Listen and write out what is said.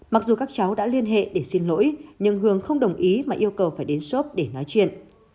mặc dù các cháu đã liên hệ để xin lỗi nhưng hường không đồng ý mà yêu cầu phải đến shop để nói chuyện